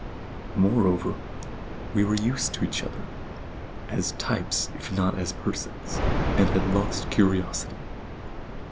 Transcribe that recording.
Moreover, we were used to each other, as types if not as persons, and had lost curiosity.